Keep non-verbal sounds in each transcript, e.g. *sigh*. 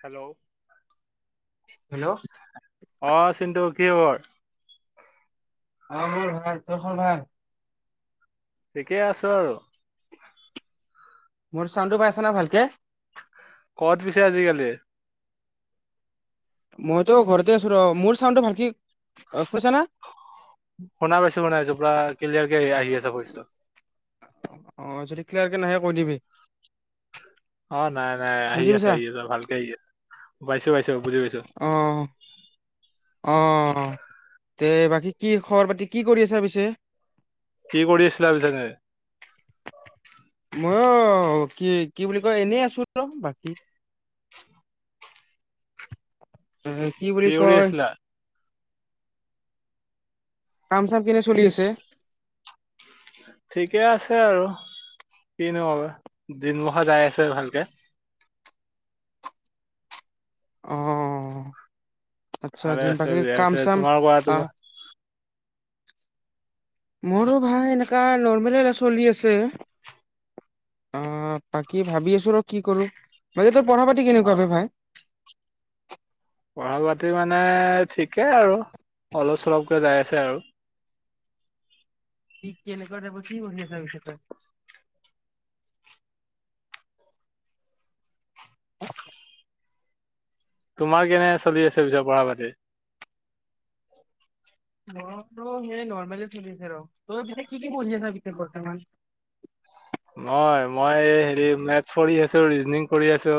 Hello hello অ! চিন্টো কি খবৰ? অ মোৰ ভাল। তোৰ খবৰ ভাল? ঠিকেই আছো আৰু মোৰ চাউণ্ডো পাইছা না ভালকে? ক'ত পিছে আজিকালি? মইতো ঘৰতে আছো ৰ মোৰ চাউণ্ডটো ভালকি অ শুনিছা নে? শুনা পাইছো শুনা পাইছো পুৰা কিলিয়াৰ কেই আহি আছে ভৈছটো। অ', যদি ক্লিয়াৰকে নাহে কৈ দিবি। অ' নাই নাই, আহি বুজি আছে, পাইছা আহি আছ, ভালকে আহি আছে, পাইছো পাইছো, বুজি পাইছো। অ অ' তে বাকী কি খবৰ পাতি, কি কৰি আছো পিছে? কি কৰি আছিলা? *unintelligible* মই অ কি কি বুলি কয়, এনেই আছো ৰ বাকী। ও, কি বুলি কৰি কয়- আছিলা কাম-চাম কেনে চলি আছে? ঠিকে আছে আৰু, কিনো ক'বা, দিনমখা যাই আছে ভালকে। অ'। আচ্ছা ভালে দিন আছে বাকি জীয়াই কাম আছে চাম তোমাৰ কোৱা আহ তোমাৰ মোৰো ভাই এনেকা নৰ্মেল এ চলি আছে, অ' বাকী ভাবি আছো ৰ কি কৰো, বাকী তই পঢ়া পাতি কেনেকুৱা বে ভাই? পঢ়া পাতি মানে ঠিকেই আৰু, অলপ চলপকে যাই আছে আৰু। ঠিক কেনেকুৱা তাইপৰ, কি পঢ়ি আছা পিছে তই? *unintelligible* তোমাৰ কেনে চলি আছে পিছে পঢ়া পাতি? মোৰ ত' সেই নৰমেল চলি আছে ৰ, তোৰ পিছে কি কি পঢ়ি আছা পিছে বৰ্তমান? মই, মই হেৰি মেথছ পঢ়ি আছো, ৰিজনিঙ পঢ়ি আছো।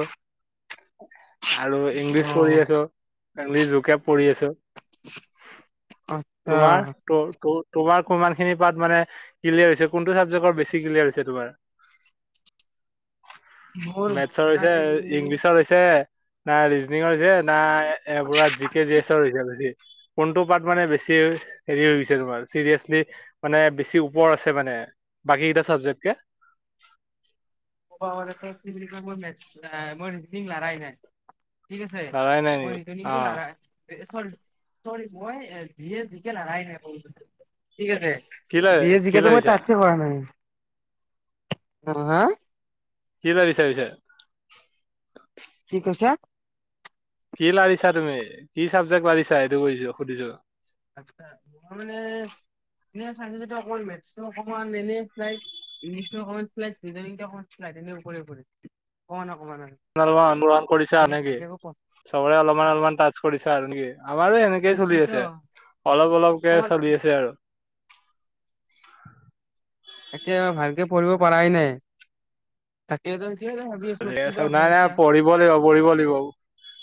আৰু ইংলিছ পঢ়ি অ', আছো। আংলি জুকে পৰি আছো। আচ্ছা। তোমাৰ, ত তোৰ। তোমাৰ কিমান খিনি পাঠ মানে ক্লিয়াৰ হৈছে, কোনটো ছাবজেক্টৰ বেছি ক্লিয়াৰ হৈছে? তোমাৰ মোৰ মেথছৰ হৈছে, ভাই ইংলিছৰ হৈছে। নাই ৰিজনিংৰ হৈছে। নাই এবুৰা, জি, কে, জি, এছৰ হৈছে বেছি। কোনটো পাৰ্ট মানে বেছি হেৰি হৈ গৈছে তোমাৰ, চিৰিয়াচলি মানে বেছি ওপৰ আছে মানে, বাকী কেইটা চাবজেক্ট *unintelligible* কি বুলি কয়, মোৰ মেটছ নাই, মই ৰিজিনিং লাৰাই নাই। ঠিক আছে, লৰাই নাই নেকি মই ৰিজনং অ টো লাৰাই চৰি, মই ইভিএছ, জিকে লৰাই নাই। ঠিক আছে, কি ল জিকে কি চিকে ত মই লাৰিছা তাতচে কৰা নাই। উ'ম, হা? কি চাবজেক্ট লাৰিছা? কি কৈছা? কি লাৰিছা তুমি, কি চাবজেক্ট লাৰিছা, সেইটো কৰিছো সুধিছো। আচ্ছা, মই মানে চ অকমান মেথচ অকমান এনে চাই ইংলিছ অকমান চজ অকমান চাইট এনেৰে অকমানক অলমান ৰহন কৰিছে। নেকি একো চবৰে অলপমান অলপমান টাচ কৰিছে আৰু নেকি? আমাৰো এনেকেই চলি পঢ়াইতো আছে, অলপ অলপকে অকমান চলি আছে আৰু *unintelligible* তাকে ভালকে পঢ়িব পৰাই নাই, তাকো আছো নাই নাই পঢ়িব লাগিব পঢ়িব লাগিব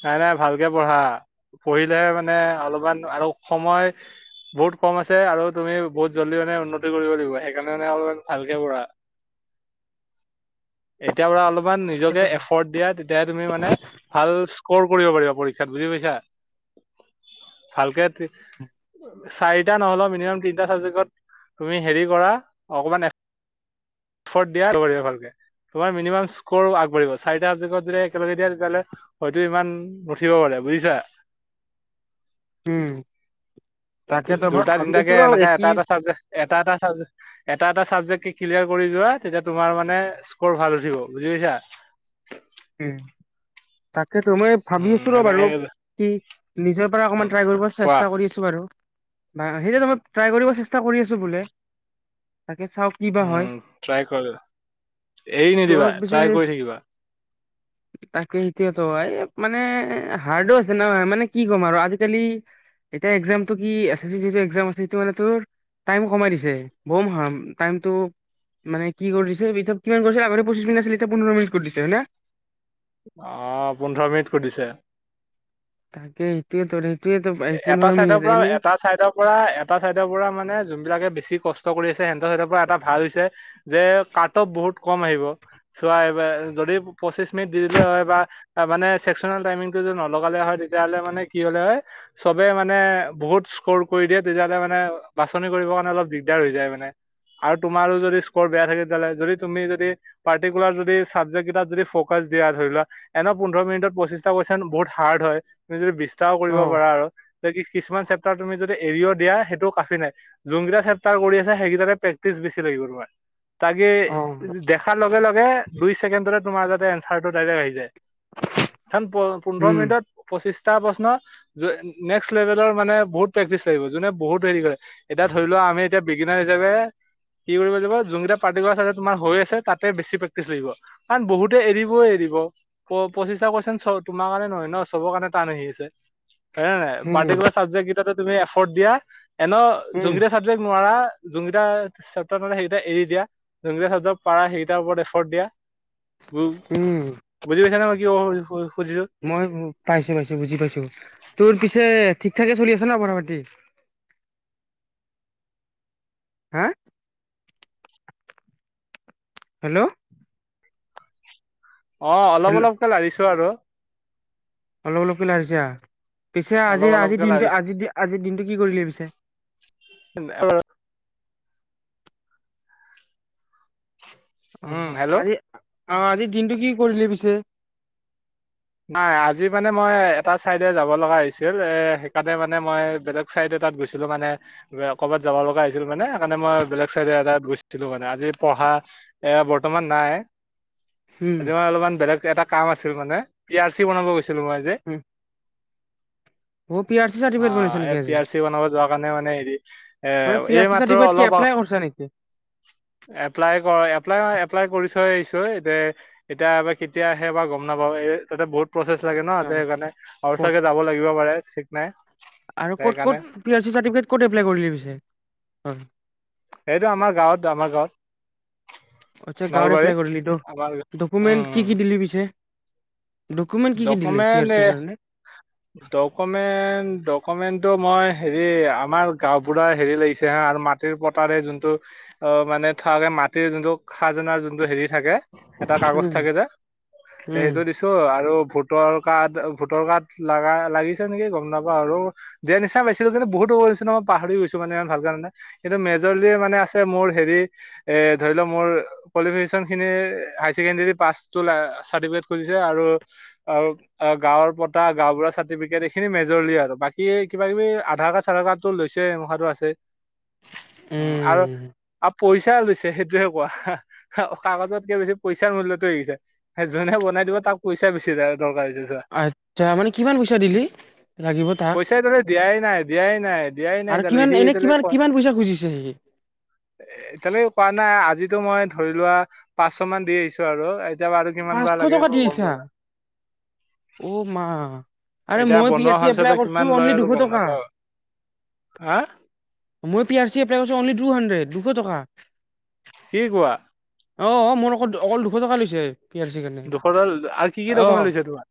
নাই, নাই ভালকে পঢ়া, পঢ়িলেহে মানে অলপমান আৰু সময় বহুত কম আছে আৰু তুমি বহুত জলদি মানে উন্নতি কৰিব লাগিব, সেইকাৰণে মানে অলপমান ভালকে পঢ়া, এতিয় পৰা অলপ মান নিজকে এৰ্ফদ দিয়া, তেতিয়া তুমি মানে ভাল স্কু ক'ৰ কৰিব পাৰিবা পৰীক্ষাত বুজি পাইছা, ভালকে চাৰিটা নহলেওঁ মিনিমাম তিনিটা চাবজেক্টত তুমি হেৰি কৰা, অকমান এৰ্ফদ দিয়া, ভালকে তোমাৰ মিনিমাম স্কৰ আগবাঢ়িব, চাৰিটা চজ্বেক্টত যদি একেলগে দিয়া তেতিয়াহ'লে হয়তো ইমান নুঠিব পাৰে বুজিছা। হম দুটা তিনিটাকে এনেকা কি এটা এটা চাবজেক্ট এটা এটাবজেক্ট এটা এটা চাবজেক্ট ক্লিয়াৰ কৰি যোৱা, তেতিয়া তোমাৰ মানে স্কৰ ভাল উঠিব বুজি পাইছা। উম, তাক সেইটো মই ভাবি উম আছো ৰ সেনেকে বাৰু, কি নিজৰ পৰা অকণমান উম ট্ৰাই কৰিব কোৱা চেষ্টা কৰি আছো বাৰু, সেইটো ত মই ট্ৰাই কৰিব চেষ্টা কৰি আছো বোলে। তাকে চাও কি বা হয় উম ট্ৰাই কৰ, এৰি ত নিদিবা ট্ৰাই পিছে কৰি থাকিবা। তাকে সেইটোয় ত, এই মানে হাৰ্ডো আছে ন, মানে কি ক'ম আৰু আজিকালি এতিয়া এক্সামটো কি এচ এচ বি যিটো এক্সাম আছে সেইটো মানে ত টাইম কমাই দিছে, ব'ম ৰ্হাম টাইমটো মানে কি কৰি দিছে কিমান আগতে পঁচিছ মিনিট আছিল এতিয়া পোন্ধৰ মিনিট কৰি দিছে, হয় ন। অ' পোন্ধৰ মিনিট সুধিছে। তাকে ইটোৱে তৰে এটা চাইডৰ পৰা, এটা চাইডৰ পৰা, এটা চাইডৰ পৰা, মানে যোনবিলাকে বেছি কষ্ট কৰি আছ সিহঁতৰ সিহঁতৰ পৰা এটা ভাল হৈছে যে কাট অফ বহুত কম আহিব, চোৱা যদি পঁচিশ মিনিট দি দিলে হয় বা মানে চেক্সনেল টাইমিং টো যদি নলগালে হয় তেতিয়াহ'লে মানে কি হ'লে হয় চবে মানে বহুত স্ক'ৰ কৰি দিয়ে তেতিয়াহ'লে মানে বাছনি কৰিব কাৰণে অলপ দিগদাৰ হৈ যায় মানে আৰু তোমাৰো যদি স্ক'ৰ বেয়া থাকে তেতিয়াহ'লে যদি তুমি যদি পাৰ্টিকুলাৰ যদি চাবজেক্ট কেইটাত যদি ফ'কাচ দিয়া, ধৰি লোৱা এনে পোন্ধৰ মিনিটত পঁচিশটা কুৱেশচন বহুত হাৰ্ড হয় তুমি যদি বিছ ট্ৰাই কৰিব অ পাৰা আৰু। কিছুমান চেপ্তাৰ তুমি যদি এৰিও দিয়া সেইটো কাফি নাই, যোনকেইটা চেপ্তাৰ কৰি আছা সেইকেইটাতে প্ৰেক্টিচ বেছি লাগিব তোমাৰ। তাকে, অ দেখাৰ লগে লগে দুই ছেকেণ্ডতে তোমাৰ যাতে এঞ্চাৰটো ডাইৰেক আহি যায়। চন প' পোন্ধৰ উম মিনিটত পঁচিছ টা প্ৰশ্ন য নেক্স লেবেলৰ মানে বহুত প্ৰেক্টিছ লাগিব, যোনে বহুত হেৰি কৰে, এতিয়া ধৰি লোৱা আমি এতিয়া বিগিনাৰ হিচাপে কি কৰিব পৰা যাব যোনকেইটা পাৰ্টিকুলাৰ চাবজেক্ট হৈ আছে তাতে বেছি প্ৰেক্টিচ লাগিব কাৰণ বহুতে এৰিবয়ে এৰিব প পঁচিশটা কুৱেশ্যন চল তোমাৰ কাৰণে নহয় ন' চবৰে কাৰণে টান আহি আছে। হয় নে নাই উম পাৰ্টিকুলাৰ চাবজেক্ট কেইটাতো তুমি এফৰ্ড দিয়া এনেও উম যোনকেইটা চাবজেক্ট নোৱাৰা যোনকেইটা চেপ্তাৰ নোৱাৰা সেইকেইটা এৰি দিয়া যোনকেইটা চেপ্তাৰ পাৰা সেইকেইটাৰ ওপৰত এফৰ্ট দিয়া। উম, বুজি পাইছা নে মই কি খুজিছো মই পাইছোঁ, পাইছোঁ, বুজি পাইছোঁ। তোৰ পিছে ঠিকঠাকে চলি আছ ন' পঢ়া পাতি? হম? হেল্ল' অ', অলপ হেল্ল' অলপকে লাৰিছো আৰু অলপ অলপ কৈ লাৰিছা? পিছে, অলপ আজি আজিৰ অলপকে দিনটো লাৰিছো আজিৰ আজিৰ দিনটো কি কৰিলি পিছে? উম অ' হেল্ল' আজি আহ আজিৰ দিনটো কি কৰিলি পিছে? নাই আজি মানে মই এটা চাইডে যাব লগা হৈছিল, এ' সেইকাৰণে মানে মই বেলেগ চাইডে তাত গৈছিলো, মানে ক'বাত যাব লগা হৈছিল মানে সেইকাৰণে মই বেলেগ চাইডে তাত গৈছিলো মানে, আজি পঢ়া এ বৰ্তমান নাই। উম আজি মই অলপমান বেলেগ এটা কাম আছিল মানে পি আৰ চি বনাব গৈছিলো চিলো, ময় আযি। উম অ পি আৰ চি চাৰ্টিফিকেট অঁ বনাইছা নেকি এই পি আজি আৰ চি বনাব যোৱা কাৰণে মানে হেৰি, এ মানে পি এই আৰ চি মাত্ৰ চাৰ্টিফিকেট কি অলপ, এপ্লাই কৰিছা নেকি এপ্লাই কৰি, এপ্লাই এপ্লাই কৰি থৈ আইছো এ' এতিয়াবা কেতিয়া আহেবা গম নাপাওঁ, এই তাতে বহুত প্ৰচেছ লাগে ন, অ সেইকাৰণে ক'ত চাগে যাব লাগিব পাৰে ঠিক নাই আৰু ক'ত সেইকাৰণে ক'ত, পি-আৰ-চি চাৰ্টিফিকেট ক'ত এপ্লাই কৰিলি পিছে? হয় সেইটো আমাৰ গাঁৱত, আমাৰ গাঁৱত। আচ্ছা গাঁৱত নলবাৰী এপ্লাই কৰিলি তো। আমাৰ ডকুমেণ্ট কি কি দিলি পিছে? ডকুমেণ্ট কি কি দিলি পি ডকুমেণ্ট আৰ এ, চিৰ কাৰণে ডকুমেণ্ট-ডকুমেণ্ট টো মই হেৰি আমাৰ গাওঁবোৰা হেৰি লাগিছে হা, আৰু মাতিৰ পতাৰে যুনতো মানে *unintelligible* খাযনা যুনতো থাকে, এটা কাগজ উম থাকে যে, উম সেইটো দিছো আৰু ভোতৰ কাথ, ভোটৰ কাথ লাগা লাগিছে নেকি গম নাপাও আৰু, দিয়া নিচনা পাইছিলো কিন্তু বহুত হময় হৈছে ন পাহৰি গৈছো মানে, ভাল কামে, কিন্তু মেজৰলি মানে আছে মোৰ হেৰি, এ ধৰি ল মোৰ কোৱালিফিকেচন খিনি, হাইচেকেনণ্ডৰী পাছটু, চাৰ্টিফিকেটতো খুজিছে আৰু আৰু গাঁৱত পতা, গাঁও বু়ঢ়াৰ চাৰ্টিফিকেট এইখিনি মেজৰলি, আৰু বাকী কিবা কিবি আধাৰ কাৰ্ড চাধাৰ কাৰ্ডটো লৈছে সেইমোখাটো আছে। উম আৰু পইচা লৈছে সেইটোহে কোৱা, কাগজতকে বেছি পইচাৰ মূল্যতটো লাগিছে, যোনে বনাই দিব তাক পইচা বেছি যায় আৰু দৰকাৰী *unintelligible* আচ্ছা মানে কিমান পইচা দিলি লাগিব তাক পইচা এতিয়ালৈকে দিয়াই নাই, দিয়াই নাই, দিয়াই নাই, আৰু এতিয়ালৈকে, কিমান সি এনে কিমান এতিয়ালৈকে, কিমান পইচা খুজিছে সি এতিয়ালৈকে কোৱা নাই, আজি এইটো মই ধৰি লোৱা পাঁচশ মান দি আহিছো আৰু এতিয়াবা আৰু কিমান পাঁচশ বা লাগে একো গম পোৱা *unintelligible* ও' মা আৰে এতিয়া মই পি বনোৱা আৰ হোৱাৰ ছি পিছত বা এপ্লাই কিমান কৰিছো লয় অনলি আৰু দুশ গম টকা, নাপাও হা মই পি আৰ ছি এপ্লাই কৰিছো টুহাড্ৰেড, দুশ টকা। কি কোৱা? অঁ, মোৰ অক অকল দুশ টকা লৈছে। পি আৰ চিৰ কাৰণে দুশ টকা, আৰু, কি কি দকুমেট লৈছে তোমাৰ?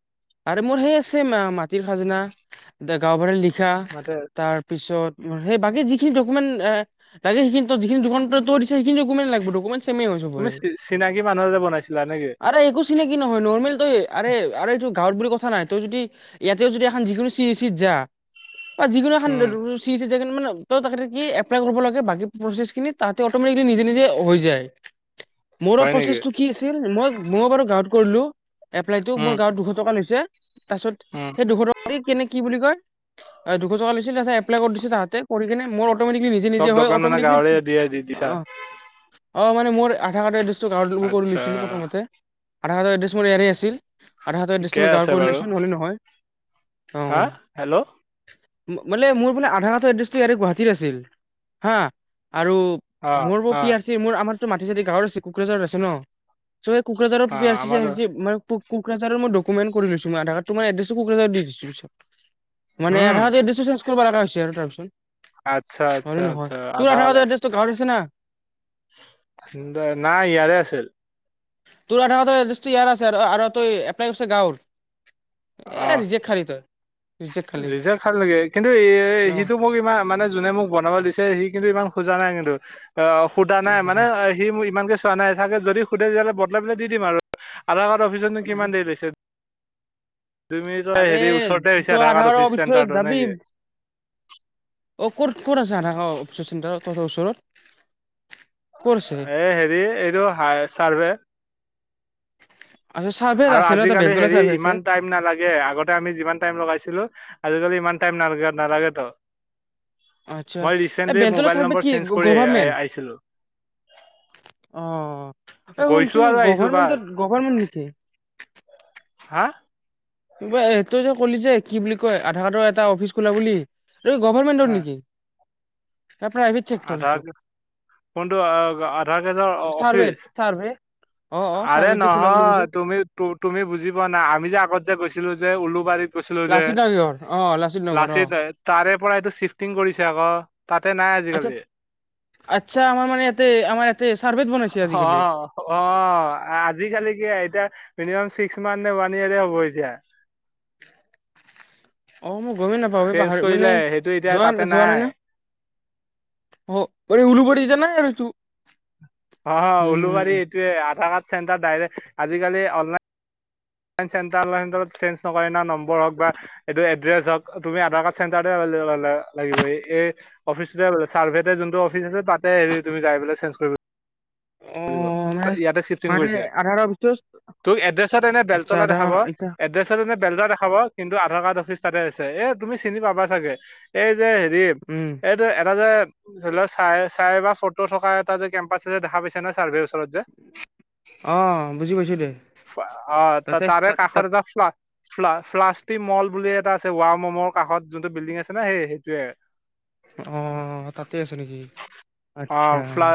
আৰু মোৰ সেই আছে মাটিৰ খাজনা, গাঁওবুঢ়া লিখ খা, মাতে তাৰ পিছত সেই বাকী যিখিনি ডকুমেট এ *unintelligible* ছেমে হয় তুমি চবৰে। চিনাকি মানুহ যে বনাইছিলা নেকি আৰে একো চিনাকি নহয়, নৰ্মেল তই আৰে আৰে এই বুলি কথা নাই তই যদি ইয়াতেও যদি এহখন যিকোনো চি এ চিত যা বা যিকোনো এখান উম চি এ চিত *unintelligible* এপ্লাই কৰবা লাগে বাকী প্ৰছেচ খিনি তাঁহাতে অ'টোমেটিকেলি নিজে নিজে হৈ যায়। মোৰো হয় নেকি প্ৰচেছটো কি আছিল মই-মই বাৰু গাঁৱ কৰিলো। এপ্লাইটো মোৰ উম গাঁৱত দু *unintelligible* তাৰপিছত উম সেই দুশ টকা কেনে কি বুলি কয়। দুশ টকা লৈছিল তাতে এপ্লাই কৰি দিছিল তাঁহতে কৰি কিনে মোৰ অট'মেটিকেলি নিজে নিজে চব হয় দোকান মানে অট'মেটিকেলি গাঁৱৰে দিয়ে দি দিছা। অ', অ, মান মোৰধ কাৰ্ডৰ এড গাওঁৰ কৰি আচ্ছা লৈছিলো প্ৰথমতে। আধাৰ কাৰ্ড ৰ এড্ৰেছ মোৰ ইয়াৰেই আছিল। আধাৰ কাৰ্ডৰ এড্ৰেছ ঠিকেই আছে বাৰু হা, অ', হেল্ল'। মানে মোৰ মানে আধাৰ কাৰ্ডৰ এড্ৰেছটো ইয়াৰে গুৱাহাটী আছিল, হা। আৰু, অ মোৰ ব অ পি আৰ চি মোৰ আমাৰতো মাটি চাতি গাঁৱৰ আছিল। কোকৰাঝাৰ আছে ন। চ এই কোকৰাঝাৰৰ অ পি আৰ চি আমাৰ মানে কোকৰাঝাৰৰ মোৰ ড কমেন কৰি লৈছো মই আধাৰ কাৰ্ডৰ এড্ৰেছটো কোকৰাঝাৰ দি দিছো পিছত। মানে আধাৰ উম কাৰ্ডৰ এদ্দেজ কৰি লব লগা হৈছে আৰু আচ্ছা তাৰপিছত। হয় আচ্ছা নে নহয় আচ্ছা তোৰ আধা আধাৰ হ'লে কাৰ্ডৰ এড্ৰেছটো গাঁৱৰ আছে না। নাই ইয়াৰে আছিল তোৰ আধাৰ কাৰ্ড এড্ৰেছটো ইয়াৰ আছে আ আৰু তই এপ্লাই কৰছা গাঁৱৰ। এ অ, ৰিজেক্ট খালি তই ৰিজেক্ট খালি ৰিজেক খালোঁ নেকি কিন্তু এ-এ ন সিটো মোক ইমান মানে যোনে মোক বনাব দিছে সি কিন্তু ইমান খোজা নাই কিন্তু অ সুধা নাই মানে অ সি মোৰ ইমানকে চোৱা নাই চাগে যদি সুধে দলে বদলাই পেলাই দি দিম আৰু আধাৰ অফিচতো কিমান দেৰি লৈছে, তুমি তই আৰে হেৰি ওচৰতেছা তই আধাৰ কাৰ্ড আধাৰৰ অফিচ অফিচত চেণ্টাৰটো যাবি নেকি? অ ক'ত-ক'ত আছে আধাৰ অফিচৰ চেণ্টাৰত ত ওচৰত। ক'ত আছে এ হেৰি এইটো হাই চাৰ্ভে। আচ্ছা চাৰ্ভে আৰু আছে ন এটা আজিকালি বেলতলা হেৰি চাৰ্ভে আছে ইমান টাইম নালাগে, আগতে আমি যিমান টাইম লগাইছিলো, আজিকালি ইমান টাইম নালাগে, নালাগে তো। আচ্ছা, এই বেলতলা চাৰভেত নম্বৰ কি চেঞ্জ কৰি গভৰ্মেণ্ট? আহিছিলো অ' অ' গৈছো শুনচোন, আৰু আহিছো বাছ গভৰ্মেণ্টত, গভৰ্মেণ নেকি? হাঁ গে এইটো কলি যে, কি বুলি কয়, আধাৰ কাৰ্ডৰ এটা অফিচ খোলা বুলি *unintelligible* গভৰ্মেণ্টৰ নেকি? না প্ৰাইভেট চেক্টৰ সেইটো *unintelligible* কোনটো আ আধাৰ কে যে চাৰ্ভে অফিচ, চাৰ্ভে অ অ আৰে চাৰ্ভে যে খোলা বুলি নহয় কৈছে তুমি, তু-তুমি বুজি পোৱা নাই, আমি যে আগত যে গৈছি ছিলো যে উলুবাৰীত গৈছিলো যে লাচিত নগৰ, অ, লাচিত নগৰ, অ' পৰা এইটো চিফটিং কৰিছে আকৌ, তাতে নাই আচ্ছা আচ্ছা আমাৰ মানে ইয়াতে আমাৰ ইয়াতে চাৰ্ভেত বনাইছে *unintelligible* আজিকালি অ', অ', আজিকালি কি এতিয়া মিনিমাম চি কিছুমানে ওৱান ইয়াৰে হ'ব এতিয়া। অ', মই গমেই নাপাওঁ এই চেঞ্জ পাহৰি মানে কৰিলে সেইটো এতিয়া যোৱা তাতে যোৱা নাই ন অ', কৰি উলুবাৰী যে নে তো অ', উম উলুবাৰী এইটোৱে আধাৰ কাৰ্ড চেণ্টাৰ ডাইৰেক আজিকালি অল লা চেন্টাৰ লাইণ্ডত চেঞ্জ নকৰে না নম্বৰ হওঁক বা এড্ৰেছ হওঁক, তুমি আধাৰ কাৰ্ড চেন্টাৰতে *unintelligible* লাগিব, সেই অ'ফিচটোতে চাৰ্ভেতে যোনটো অফিচ তাতে হেৰি তুমি যায় পিলে চেঞ্জ কৰিব অ কৰিব মানে ইয়াতে চিফটিং মানে কৰিছে আধাৰ অফিচত তোক এড্ৰেছত এনে আচ্ছা বেলতলা আধা দেখাব, এতিয়া এড্ৰেছত এনে বেলতলা দেখাব, কিন্তু আধাৰ কাৰ্ড অ'ফিচ তাতে আছে এ তুমি চিনি পাবা চাগে এই যে হেৰি উম এইটো এটা যে জল চাই চাই বা ফটো থকাৰ যে কেম্পাছে দেখা পায় কেনে চাৰ্ভে যে অ' বুজি পাইছো দে অ', তাতে তাৰে তাত কাষত তাত এটা ফ্লা-ফ্লাষ্টি ম'ল বুলি এটা আছে ৱাও ম'ম'ৰ কাষত যোনটো বিল্ডিং আছে না সেই সেইটোৱে। অ', তাতে আছে নেকি? অ আচ্ছা। ফ্লা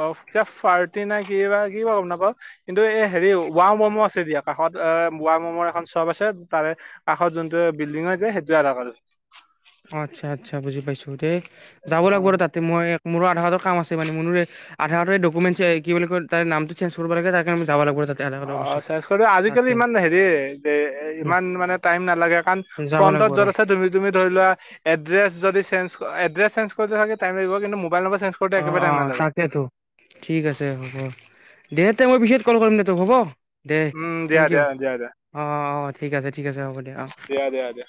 অ, কিবা পাৰ্টি নাই কি বা কি গম নাপ। কিন্তু এই হেৰি ৱও মমো আছে দিয়া কাষত। এ, ৱও মমৰ এখন শ্বপ আছে। তাৰে কাষত যোনটো বিল্ডিং হৈ য সেইটোৱে এটা অ, আচ্ছা, আচ্ছা বুজি পাইছো দে যাব লাগিব ৰ তাতে মই মোৰো আধাৰ কাৰ্ড কাম আছে মানে। মোৰ আধাৰ কাৰ্ডৰ ডকুমেণ্ট কি বুলি কয় তাৰ নামটো চেঞ্জ কৰিব লাগে তাৰ কাৰণ যাব লাগ অ, চেজ কৰি আজিকালি ইমান হেৰি ইমান মানে টাইম নালাগে। কাৰণ যাব লাগিব ফ্ৰন্টত আৰু য'ত আছে তুমি, তুমি ধৰিলোৱা এড্ৰেছ যদি চেঞ্জ এড্ৰেছ চেঞ্জ কৰি থ টাইম লাগিব। কিন্তু মোবাইল নাম্বাৰ অ, অ, তাকেইেতো। ঠিক আছে হ'ব। দে, তে মই পিছত কল কৰিম দে তোক হ'ব। দেই। উম দিয়া থাঙ্যও। দিয়া দিয়া দিয়া অহ, অঁ, অঁ ঠিক আছে, ঠিক আছে, হ'ব দিয়া অঁহ '। দিয়া দিয়া